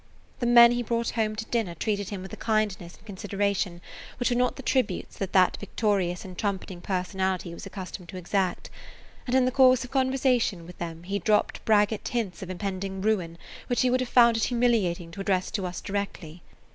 The men he brought home to dinner treated him with a kindness and consideration which were not the tributes [Page 103] that that victorious and trumpeting personality was accustomed to exact, and in the course of conversation with them he dropped braggart hints of impending ruin which he would have found it humiliating to address to us directly.